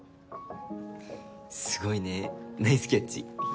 すごいねナイスキャッチ。